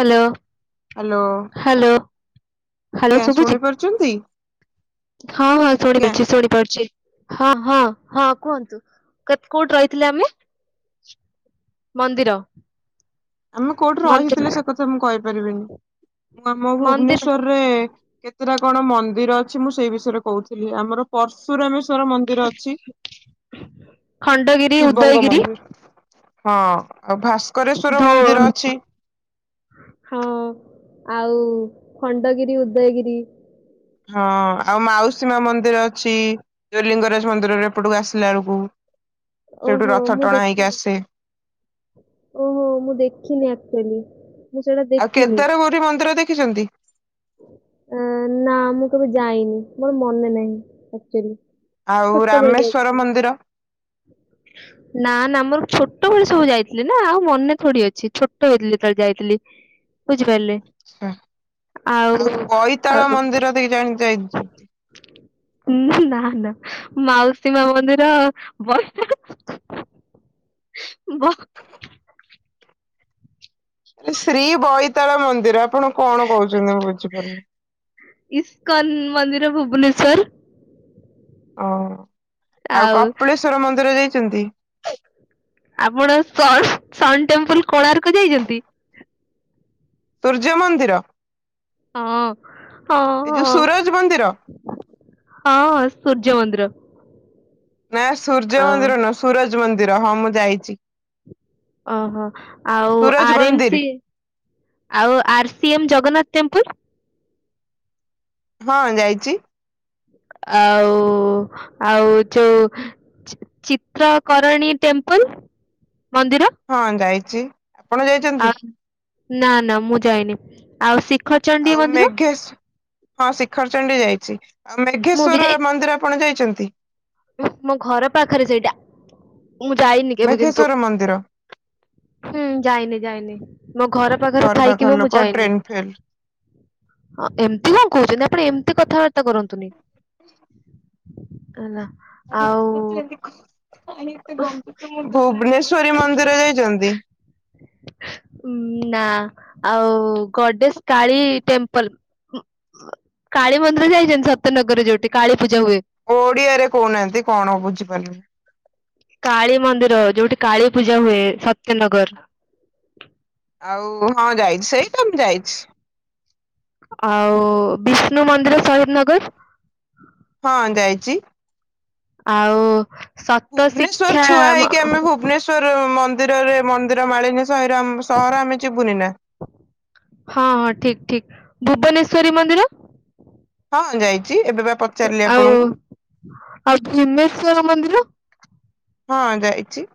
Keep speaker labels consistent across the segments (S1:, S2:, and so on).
S1: Hello.
S2: Hello
S1: hello hello
S2: ଆଜ୍ଞା
S1: ଶୁଭୁଛି
S2: ଶୁଣି ପାରୁଛନ୍ତି।
S1: ହଁ ହଁ ଶୁଣିପାରୁଛି ଶୁଣିପାରୁଛି। ହଁ ହଁ ହଁ କୁହନ୍ତୁ କୋଉଠି ରହିଥିଲେ ଆମେ ମନ୍ଦିର
S2: ଆମେ କୋଉଠି
S1: ମନ୍ଦିର
S2: ରହିଥିଲେ ସେ କଥା ମୁଁ କହିପାରିବିନି ମୁଁ ଆମ
S1: ମନ୍ଦିର
S2: ଭୁବନେଶ୍ୱରରେ କେତେଟା କଣ ମନ୍ଦିର ଅଛି ମୁଁ ସେଇ ବିଷୟରେ କହୁଥିଲି ଆମର ପର୍ଶରେ ଆମେ ର ମନ୍ଦିର ଅଛି
S1: ଖଣ୍ଡଗିରି
S2: ଶିବଙ୍ଗ
S1: ଉଦୟଗିରି
S2: ମନ୍ଦିର ହଁ ଆଉ ଭାସ୍କର
S1: ଧ ହଁ ଆଉ ଖଣ୍ଡଗିରି ଉଦୟଗିରି
S2: ହଁ ଆଉ ମାଉସୀ ମା ମନ୍ଦିର ଅଛି। ଯଉ ଲଲିଙ୍ଗରା ମନ୍ଦିରରେ ଏପଟକୁ ଆସ ଆିଲଳକୁ
S1: ଓହୋ ମୁଁ ଦେଖିନି ଓହୋ ମୁଁ ଦେଖିନି ଆକ୍ଚୁଆଲି ମୁଁ ସେଇଟା
S2: ଆଉ କେଦାରଗୌରୀ ମନ୍ଦିର ଦେଖି ଦେଖିଛନ୍ତି।
S1: ଅ ନା ମୁଁ କେବେ ଯାଇନି ମୋର ମନେ ନାହିଁ ଆକ୍ଚୁ ଆଲି
S2: ଆଉ
S1: ଛୋଟବେଳେ
S2: ରାମେଶ୍ଵର
S1: ଯାଇଥିଲି
S2: ମନ୍ଦିର
S1: ନା ନା ଆମର ଛୋ ଛୋଟ ବଳେ ସବୁ ଯାଇଥିଲି ନା ଆଉ ମନେ ଥୋଡ଼ି ଅଛି ଛୋଟ ହେଇଥିଲି ତବେଳେ ଯାଇଥିଲି ବୁଝିପାରିଲେ।
S2: ଆଛା। ଆଉ ବୋଇତାଳ
S1: ଆଉ
S2: ମନ୍ଦିର ଦି ଜଣ ଯାଇଚୁ।
S1: ନା ନା ମାଉସୀ ମା ମନ୍ଦିର ବର୍ଷ ବ
S2: ଶ୍ରୀ ବଇ ତଳ ମନ୍ଦିର ଆପଣ କଣ କହୁଚନ୍ତି ମୁଁ ବୁଝିପାରୁନି?
S1: ଇସ୍କନ ମନ୍ଦିର ଭୁବନେଶ୍ଵର।
S2: ଓ, ଆଉ କପିଳେଶ୍ଵର ମନ୍ଦିର ଯାଇ ଚନ୍ତି।
S1: ଆପଣ ସନ୍ ସନ୍ ଟେମ୍ପଲ୍ କୋଣାର୍କ ଯାଇଚନ୍ତି?
S2: ସୂର୍ଯ୍ୟ ମନ୍ଦିର।
S1: ହଁ, ହଁ,
S2: ଏଇ ଯୋଉ
S1: ହଁ,
S2: ସୂରଜ ମନ୍ଦିର
S1: ହଁ ସୂର୍ଯ୍ୟ ମନ୍ଦିର।
S2: ନାଁ
S1: ଅ
S2: ସୂର୍ଯ୍ୟମନ୍ଦିର ନୁହଁ ।ସୁରଜ୍ ଜ-ମନ୍ଦିର ହଁ ମୁଁ ଯାଇଚି।
S1: ଓହୋ! ଆଉ ଆର ଏମ
S2: ମନ୍ଦିର
S1: ସି ଆଉ ଆର ସି ଏମ ଜ ଜଗନ୍ନାଥ ଟେମ୍ପୁଲ୍।
S2: ହଁ ଯାଇଚି।
S1: ଆଉ ଆଉ ଯୋଉ ଚି-ଚିତ୍ର କରଣୀ ଟେମ୍ପଲ ମନ୍ଦିର
S2: ହଁ ଯାଇଚି। ଆପଣ ଯାଇଚନ୍ତି?
S1: ଆଉ ନା ନା ମୁଁ ଯାଇନି। ଆଉ ଶିକ୍
S2: ଆଉ ମେଘେସ୍ ହଁ ଶିଖରଚଣ୍ଡୀ ଯାଇଚି। ଆଉ
S1: ମୁଁ ବି
S2: ମେଘେଶ୍ୱର
S1: ଯାଇ
S2: ମନ୍ଦିର ଆପଣ ଯାଇ ଚନ୍ତି
S1: ମୋ ଘର ପାଖରେ ସେଇଟା। ମୁଁ ଯାଇନି କେବେ କିନ୍ତୁ
S2: ମେଘେଶ୍ଵର ମନ୍ଦିର
S1: ।ହୁଁ ଯାଇନି ଯାଇନି ମୋ ଘର ପାଖରେ ଥାଇକିି
S2: ପାଖର
S1: ବି ମୁଁ
S2: ଲୋକ
S1: ଯାଇନି।
S2: ଟ୍ରେନ ଫେଲ
S1: ହଁ ଏମତି କଣ କହୁଚନ୍ତି। ଆପଣ ଏମ ତି କଥାବାର୍ତ୍ତା କରନ୍ତୁନି। ଏଲା
S2: [unintelligible] ଭୁବନେଶ୍ଵରୀ ମନ୍ଦିର ଯାଇଚନ୍ତି?
S1: ନା ଆଉ ଗଡେଶ କାଳୀ ଟେମ୍ପଲ ଉଁ, ଉଏ-କାଳୀ ମନ୍ଦିର ଯାଇଚନ୍ତି? ସତ୍ୟନଗରରେ ଯୋଉଠି କାଳୀ ପୂଜା ହୁଏ।
S2: ଓଡିଆରେ କହୁନାହାନ୍ତି କଣ ବୁଝିପାରିବି।
S1: କାଳୀ ମନ୍ଦିର ଯୋଉଠି କାଳୀ ପୂଜା ହୁଏ ସତ୍ୟନଗର।
S2: ଆଉ ହଁ ଯାଇଛି ସେଇ ଟା ଯାଇଛି।
S1: ଆଉ ବିଷ୍ଣୁ ମନ୍ଦିର ଶହିଦନଗର
S2: ହଁ ଦଆଛି।
S1: ଆଉ ସତ
S2: ଭୁବନେଶ୍ୱର
S1: ଶିକ୍ଷା
S2: ଛୁଆ
S1: ମ
S2: ହେଇକି ଆମ ଭୁବନେଶ୍ଵର ମନ୍ଦିରରେ ମନ୍ଦିର ମାଳିନୀ ସହର ଆମେ ଯିବୁନି ନା।
S1: ଭୁବନେଶ୍ୱରୀ ମନ୍ଦିର
S2: ହଁ ଯାଇଛି। ଏବେ ବା ପଚାରିଲି
S1: ଆଉ
S2: ଆପଣଙ୍କୁ
S1: ଆଉ ଭୁବନେଶ୍ଵର ମନ୍ଦିର
S2: ହଁ ଯାଇଛି।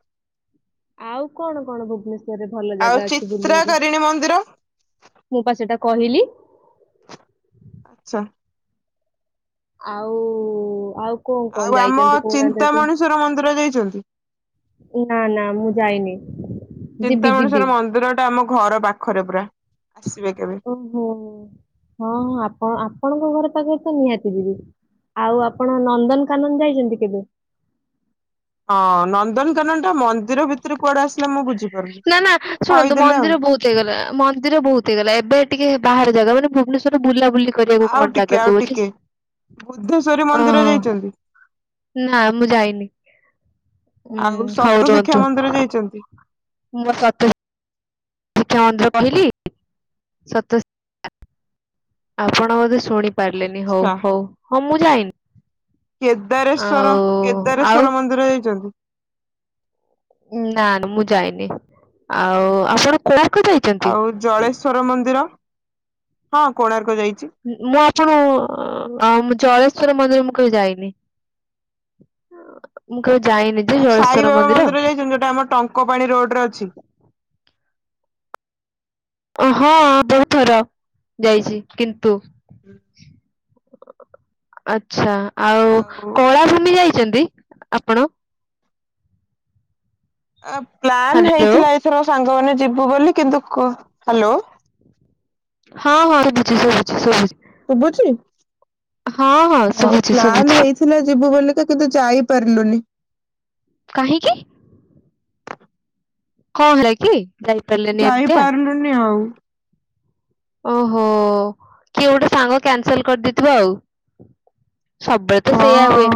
S1: ଆଉ କଣ କଣ ଭୁବନେଶ୍ଵର ଭଲ
S2: ଆଉ
S1: ଜାଗା ଅଛି ବୁଲିବାକୁ
S2: ଚିତ୍ରାକାରିଣୀ ମନ୍ଦିର
S1: ମୁଁ ପା ସେଟା କହିଲି।
S2: ଆଚ୍ଛା।
S1: ଆଉ ଆଉ କଣ
S2: ଆଉ
S1: କଣ
S2: ଆମ
S1: ଯାଇଛନ୍ତି କ
S2: ଚିନ୍ତାମଣିଶ୍ୱର ମନ୍ଦିର ଯାଇଛନ୍ତି?
S1: ନା ନା ମୁଁ ଯାଇନି। ଯିବି ଯିବି
S2: ଚିନ୍ତାମଣେଶ୍ଵର ମନ୍ଦିର ଟା ଆମ ଘର ପାଖରେ ପୁରା ଆସିବେ କେବେ
S1: ଓହୋ ହଁ ଆପଣ ଆପଣଙ୍କ ଘରେ ପାଖ ନିହାତି ଦିଦି ଆଉ ଆପଣ ନନ୍ଦନକାନନ ଯାଇଛନ୍ତି କେବେ?
S2: ହଁ ନନ୍ଦନକାନନ ଟା ମ
S1: ନା ନା ଶୁଣନ୍ତୁ
S2: କହିଦେଲେ ଆଉ।
S1: ମନ୍ଦିର ବହୁତ ହେଇଗଲା ମନ୍ଦିର ବହୁତ ହେଇଗଲା ଏବେ ଟିକେ ହେବ। ବାହାର ଜାଗା ମାନ ଭୁବନେଶ୍ୱର ବୁଲା ବୁଲି କରିବାକୁ
S2: ଆଉ
S1: କଣ
S2: ଟିକେ
S1: ଜାଗା
S2: ଆଉ
S1: ସବୁ ଅଛି
S2: ଟିକେ ବୁଦ୍ଧେଶ୍ଵରୀ
S1: ଓ
S2: ମନ୍ଦିର ଯାଇଛନ୍ତି
S1: ନା ମୁଁ ଯାଇନି
S2: ଆଉ
S1: ହଉ
S2: ସପ୍ତ
S1: ରୁହନ୍ତୁ।
S2: ଶିକ୍ଷା ମନ୍ଦିର ଯାଇଛନ୍ତି।
S1: ମ ସତୁ ପଛ ମନ୍ଦ୍ର କହିଲି ସତ ଆପଣ ବଧେ ଶୁଣି ପାରିଲେନି ହଉ
S2: ଆଛା
S1: ହଉ ହଁ ମୁଁ ଯାଇନି
S2: କେଦାରେଶ୍ଵର
S1: ଆଉ ଆଉ
S2: କେଦାରେଶ୍ଵର ମନ୍ଦିର ଯାଇଛନ୍ତି
S1: ନା ନା ମୁଁ ଯାଇନି ଆଉ ଆପଣ କଣ
S2: ଆଉ ଜଳେଶ୍ଵର ମନ୍ଦିର ହଁ କୋଣାର୍କୁ ଯାଇଛିି।
S1: ମୁଁ ଜୋଉ ଅ ଜଳେଶ୍ଵର ମନ୍ଦିର ମୁଁ କେବେ ଯାଇନି ମୁଁ କେ
S2: ଆଉ ସାଇବାବା ମନ୍ଦିର ଯାଇଛନ୍ତି ଯୋଉଟା ଆମ ଟଙ୍କ ପାାଣି ରୋଡରେ ଅଛି।
S1: ହଁ ବହୁତ ଥର ଯାଇଛି କିନ୍ତୁ ତ ଆ୍ଛା। ଆଉ କଳା ଭୂମି ଯାଇଛନ୍ତି। ଆପଣ?
S2: ପ୍ଲାନ୍
S1: ହ୍ୟାଲୋ
S2: ହେଇଥିଲା ଏଥର ସାଙ୍ଗ ନ ଯିବୁ ବୋଲି କିନ୍ତୁ ହ୍ୟାଲୋ। [inaudible]
S1: ହଁ ହଁ ହୁ ବୁଛି ଶୁଭୁଛି ଶୁଛି
S2: ଶୁବୁଛି?
S1: ହଁ ହଁ ଶୁଭୁଛି ଶୁଭୁଛି।
S2: ତ କିନ୍ତୁ ଯାଇପାରିଲୁନି [inaudible]
S1: କାହିଁକି? କଣ ହେରେ କି? ଯାଇପାରିଲେନି ଏମିତିଆ
S2: ଯାଇପାରିଲୁନି ଆଉ
S1: ଓହୋ କିଏ ଗୋଟେ ସାଙ୍ଗ କ୍ୟାନସଲ କରିଦେଇଥିବ ଆଉ। [inaudible] ସବୁବେଳେ ତ
S2: ହଁ
S1: ସେଇୟଆ ହୁଏ।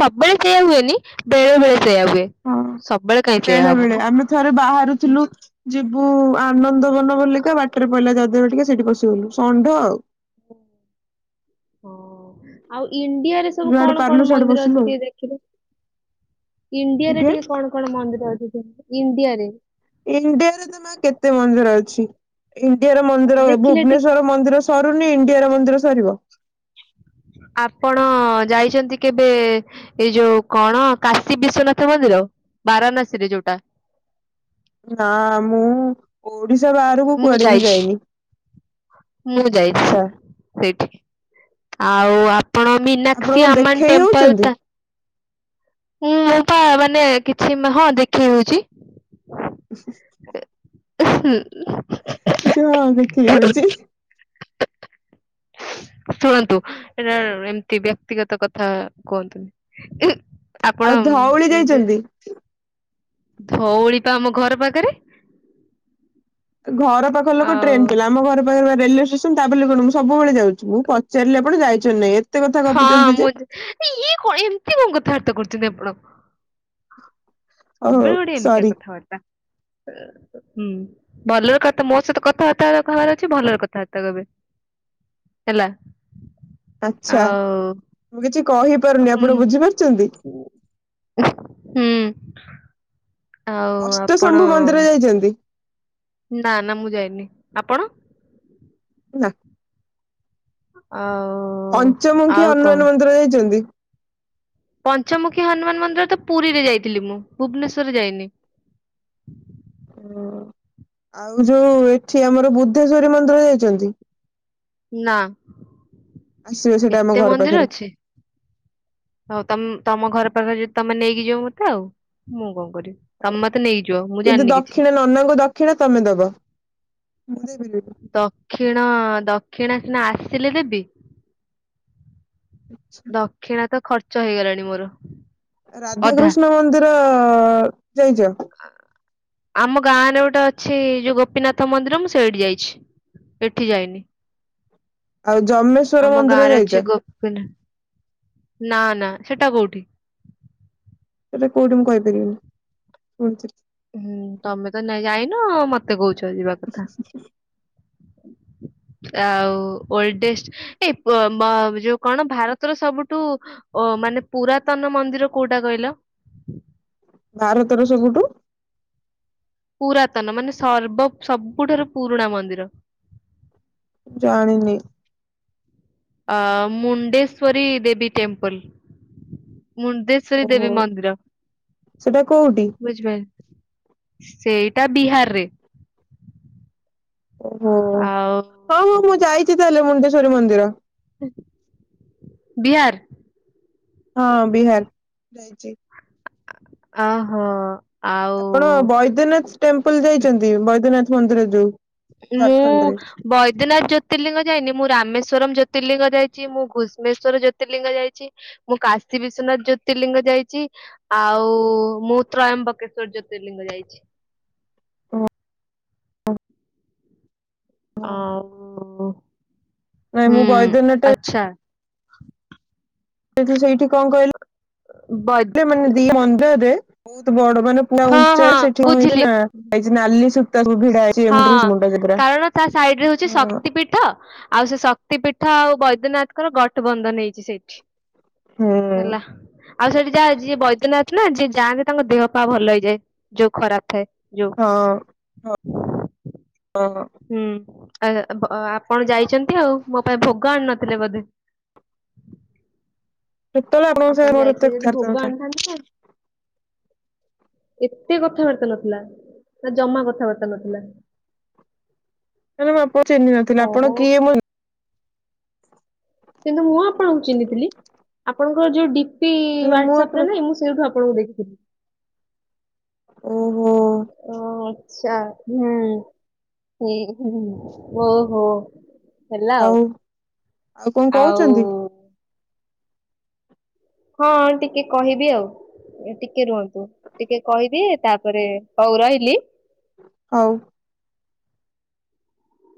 S1: ସବୁବେଳେ ସେଆ ହୁଏନି ବେଳେ ବେଳେ ସେଇୟା ହୁଏ
S2: ହଁ
S1: ସବୁବେଳେ କାହିଁ ସେଇୟା
S2: ବେଳେ
S1: ହବ
S2: ବଳେ
S1: ମ
S2: ଆମେ ଥରେ ବାହାରୁଥିଲୁ ଯିବୁ ଆନନ୍ଦ ବନ ବୋଲିକା ବାଟରେ ପହିଲା ଯଦରେ ଟିକେ ସେଇଠି ବଷିଗଲୁ ଷଣ୍ଢ ଆଉ
S1: [inaudible] ହଁ ଆଉ ଇଣ୍ଡିଆରେ ସବୁ
S2: ଯୁଆଡେ
S1: କଣ
S2: ପାରିଲୁ
S1: କଣ
S2: ସିଆଡେ
S1: ମନ୍ଦିର
S2: ପଶିଲୁ
S1: ଅଛି
S2: ଆଉ
S1: ଟିକେ ଦେଖିବେ ଇଣ୍ଡିଆରେ
S2: ଆଜ୍ଞା
S1: ଟିକେ କଣ କଣ ମନ୍ଦିର ଅ ଇଣ୍ଡିଆରେ [inaudible]
S2: ଚି ଇଣ୍ଡିଆର ମନ୍ଦିର ହୁଏ
S1: ଦେଖିଲେ ଟିକେ
S2: ଭୁବନେଶ୍ଵର ମନ୍ଦିର ସରୁନି ଇଣ୍ଡିଆର ମନ୍ଦିର ସରିବ।
S1: ଆପଣ ଯାଇଛନ୍ତି କେବେ ଏଇ ଯୋଉ କଣ କାଶୀ ବିଶ୍ଵନାଥ ମନ୍ଦିର ବାରାଣାସୀରେ ଯୋଉଟା? [inaudible]
S2: ନାଁ ମୁଁ ଓଡିଶା ବାହାରକୁ
S1: ମୁଁ
S2: କୁଆଡେ ବି
S1: ଯାଇଛି
S2: ଯାଇନି
S1: ମୁଁ
S2: [inaudible]
S1: ଯାଇଛି
S2: ଆଚ୍ଛା।
S1: ସେଇଠି ଆଉ ଆ ଆ ଆପଣ
S2: ଆପଣ
S1: ମିନାକ୍ଷୀ
S2: କଣ
S1: ଆମନ
S2: ଦେଖେଇ
S1: ଟେମ୍ପଲ
S2: ହଉଛନ୍ତି?
S1: ତ ମୁଁ ମୋ ପା ମାନେ କିଛି ହଁ ଦେଖି ହଉଛି। ହୁଁ।
S2: ଆଚ୍ଛା ହଁ ଦେଖି ହଉଛି।
S1: [inaudible] ଶୁଣନ୍ତୁ? ଏଟ ଏମିତି ବି ବ୍ୟତିଗତ କଥା କୁହନ୍ତୁ। [inaudible]
S2: ଆଉ ଧଉଳି ଯାଇଛନ୍ତି?
S1: ଧଉଳି ପା ଆମ ଘର ପାଖରେ। [inaudible]
S2: ଘର ପାଖ ଲୋକ
S1: ଆଉ
S2: ଟ୍ରେନ୍ ଫେଲ ଆମ ଘର ପାଖରେ ପା ରେଲ। [unintelligible] ଭଳି ଯାଉଛି ମୁଁ ପଚାରିଲେ ଆପଣ ଯାଇ ଜୁନେଦ୍
S1: ହଁ ମୁଁ ଇଏ କଣ ଏମିତି କଣ କ ଥାବାର୍ତା କରୁଚନ୍ତି ଆପଣ। ସବୁବେଳେ
S2: ଓହୋ
S1: ଗୋଟେ ଏମିତିଆ
S2: ସରି
S1: କଥାବାର୍ତ୍ତା। ହୁଁ ଭଲରେ କଥା ମୋ ସହିତ କଥାବାର୍ତ୍ତା ର କହିବାର ଅଛି ଭଲରେ କଥାବାର୍ତ୍ତା କହିବେ ହେଲା।
S2: ଆଛା
S1: ଆଉ
S2: ମୁଁ କିଛି କହିପାରୁନି ଆପଣ ବୁଝିପାରୁଛନ୍ତି
S1: ହୁଁ ହୁଁ। ଆଉ ଆପଣ
S2: ଅଷ୍ଟଶମ୍ଭୁ ମନ୍ଦିର ଯାଇଚନ୍ତି?
S1: ନା ନା ମୁଁ ଯାଇନି ଆପଣ
S2: ନା।
S1: ଆଉ
S2: ପଞ୍ଚମୁଖୀ
S1: ଆଉ କଣ
S2: ହନୁମାନ ମନ୍ଦିର ଯାଇଚନ୍ତି।
S1: ପଞ୍ଚମୁଖୀ ହନୁମାନ ମନ୍ଦିର ତ ପୁରୀରେ ଯାଇଥିଲି ମୁଁ ଭୁବନେଶ୍ୱରରେ ଯାଇନି।
S2: ଓ ଆଉ ଯୋଉ ଏଠି ଆମର ବୁଦ୍ଧେଶ୍ଵରୀ ମନ୍ଦିର ଯାଇଚନ୍ତି?
S1: ନା
S2: ଆସିବେ ସେଇଟା ଆମ
S1: ଏତେ
S2: ଘର ପାଖରେ
S1: ମନ୍ଦିର ଅଛି। ହୋଉ ତମ ତମ ଘର ପାଖରେ ଯଦି ତମେ ନେଇକି ଯିବ ମତେ ଆଉ ମୁଁ କଣ କରିବି ତମେ ମତ
S2: କିନ୍ତୁ ଦକ୍ଷିଣା ନନାଙ୍କୁ ଦକ୍ଷିଣା ତମେ ଦବ ମୁଁ।
S1: ଦକ୍ଷିଣ
S2: [unintelligible]
S1: ଦକ୍ଷିଣା ସିନା ଆସିଲେ ଦେବି। ଦକ୍ଷିଣା ତ ଖର୍ଚ୍ଚ ହେଇଗଲାଣି ମୋର। ଅଧା
S2: ରାଧାକୃଷ୍ଣ ମନ୍ଦିର ଯାଇଚ?
S1: ଆମ ଗାଁରେ ଗୋଟେ ଅଛି ଯୋଉ ଗୋପୀନାଥ ମନ୍ଦିର ମୁଁ ସେଇଠି ଯାଇଛି ଏଠି ଯାଇନି।
S2: ଆଉ ଯମେଶ୍ଵର
S1: ଆମ
S2: ମନ୍ଦିର
S1: ଗାଁରେ ଅଛି
S2: ଯାଇଚ?
S1: ଗୋପୀନା ନା ନା ହେଟା କୋଉଠି?
S2: କୋଉଠି ମୁଁ କହିପାରିବିନି ଶୁଣିଥିଲି।
S1: ହୁଁ ତମେ ତ ନାଇ ଯାଇନ ଆଉ ମତେ କୋହୁଛ ଯିବା କଥା। ଆଉ ଓଲଡେଷ୍ଟ ଏଇ ପ-ମ-ଯୋଉ କଣ ଭାରତର ସବୁଠୁ ଅ ମାନେ ପୁରାତନ ମନ୍ଦିର କୋଉଟା କହିଲ?
S2: ଭାରତର ସବୁଠୁ
S1: ପୁରାତନ ମାନେ ସର୍ବ ସବୁଠାରୁ ପୁରୁଣା ମନ୍ଦିର।
S2: ଜାଣିନି।
S1: ଅ ମୁଣ୍ଡେଶ୍ଵରୀ ଦେବୀ ଟେମ୍ପୁଲ। ମୁଣ୍ଡେଶ୍ଵରୀ
S2: ଓହୋ
S1: ଦେବୀ ମନ୍ଦିର
S2: ସେଟା କୋଉଠି
S1: ବୁଝିପା ସେଇ ଟା ବିହାରରେ।
S2: ଓହୋ
S1: ଆଉ
S2: ହଉ ହଉ ମୁଁ ଯାଇଛି ତାହେଲେ ମୁଣ୍ଡ ମନ୍ଦିର
S1: [inaudible] ବିହାର
S2: ହଁ ବିହାର ଯାଇଛି।
S1: ଆହୋ।
S2: ଆପଣ ବୈଦ୍ୟନାଥ ଟେମ୍ପଲ ଯାଇଛନ୍ତି ବୈଦ୍ୟନାଥ ମନ୍ଦିର ଯୋଉ।
S1: ମୁଁ
S2: ଝାଡଖଣ୍ଡରେ
S1: ବୈଦ୍ୟନାଥ ଜ୍ୟୋତିର୍ଲିଙ୍ଗ ଯାଇନି ମୁଁ ରାମେଶ୍ଵରମ ଜ୍ୟୋତି ଜ୍ୟୋତିର୍ଲିଙ୍ଗ ଯାଇଛି ମୁଁ ଘୁଷ୍ମେଶ୍ଵର ଜ୍ୟୋତିର୍ଲିଙ୍ଗ ଯାଇଛି। ମୁଁ କାଶୀ ବିଶ୍ଵନାଥ ଜ୍ୟୋତିର୍ଲିଙ୍ଗ ଯାଇଛି। ଆଉ ମୁଁ ତ୍ରୟମ୍ବକେଶ୍ଵର ଜ୍ୟୋତିର୍ଲିଙ୍ଗ ଯାଇଛି।
S2: ହଁ ହ
S1: ଆଉ।
S2: ନାଇଁ ମୁଁ
S1: ହୁଁ
S2: ବଇଦ ନାଥ
S1: ଆଚ୍ଛା
S2: ତୁ ସେଇଠି କଣ
S1: ବୈ
S2: କହିଲେ [inaudible] ମାନେ ଦି ମନ୍ଦିରରେ ବହୁତ ବଡ ମାନ ପୁରା
S1: ହଁ
S2: ଉଚା
S1: ହଁ
S2: ସେଠି ହେଇଛି
S1: ବୁଝିଲି
S2: ନା ହେଇଛି ନାଲି ସବୁ ଭିଡା ହେଇଛି
S1: ହଁ
S2: ଏମୁଣ୍ଡରୁ ସେମୁଣ୍ଡ ଯାଏ ପୁରା
S1: କାରଣ ତା ସାଇଡ ରେ ହଉଛି
S2: ହଁ
S1: ଶକ୍ତି ପୀଠ ଆଉ ସେ ଶକ୍ତି ପୀଠ ଆଉ ବୈଦ୍ୟନାଥ ଙ୍କର ଗଠବନ୍ଧନି ହେଇଛି ସେଇଠି।
S2: ହୁଁ
S1: ହେଲା ଆଉ ସେଠି ଯାହା ଯି ବୈଦ୍ୟନାଥ ନା ଯି ଯାଆନ୍ତି ତାଙ୍କ ଦେହ ପା ଭଲ ହେଇଯାଏ ଯୋଉ ଖରାପ ଥାଏ। ଯୋଉ
S2: ହଁ। ହଁ
S1: ହୁଁ। ଆ ବା ଆ ଆପଣ ଯାଇଛନ୍ତି ଆଉ ମୋ ପାଇଁ ଭୋଗ ଆଣି ନଥିଲେ ବୋଧେ? [inaudible]
S2: କେତବେଳେ
S1: ଆପଣ
S2: ଆପଣଙ୍କ
S1: ଯାଇଥିଲେ ଯଦି ଭୋଗ
S2: ସ
S1: ଆଣିଥାନ୍ତେ
S2: [unintelligible]
S1: [inaudible] ଏତେ କଥାବାର୍ତ୍ତା ନଥିଲା ନା ଜମା କଥାବାର୍ତ୍ତା ନଥିଲା। [inaudible]
S2: [unintelligible] ମଁ ଚିହ୍ନି ନଥିଲା ଆପଣ
S1: ଓହୋ।
S2: କିଏ ମୁଁ
S1: କିନ୍ତୁ ମୁଁ ଆପଣଙ୍କୁ ଚିହ୍ନିଥିଲି ଆପଣଙ୍କର ଯୋଉ ଡି ପି
S2: ହେଲେ ମୁଁ
S1: ୱାଟସପ୍
S2: ଆପଣ
S1: ରେ ନାଇ ମୁଁ ସେଇଠୁ ଆପଣଙ୍କୁ ଦେଖି [inaudible]
S2: ଓ ।
S1: ଉଁ । ଆଛା ହୁଁ ହୁଁ ହୁଁ ଓ ହୋ ।
S2: ହୋଉ ଆଉ କଣ କହୁଚନ୍ତି?
S1: ହଁ ଟିକେ କହିବି ଆଉ ଟିକେ ରୁହନ୍ତୁ ଟିକେ କହିବି ତାପରେ ହଉ ରହିଲି।
S2: ହଉ।